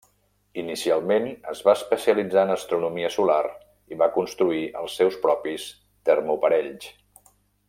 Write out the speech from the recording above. Inicialment es va especialitzar en astronomia solar i va construir els seus propis termoparells.